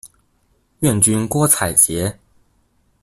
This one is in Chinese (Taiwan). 願君郭采潔